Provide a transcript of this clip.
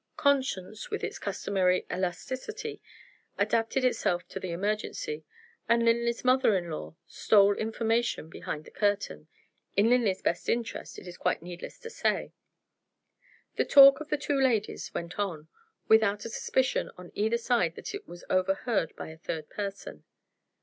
Conscience, with its customary elasticity, adapted itself to the emergency, and Linley's mother in law stole information behind the curtain in Linley's best interests, it is quite needless to say. The talk of the two ladies went on, without a suspicion on either side that it was overheard by a third person.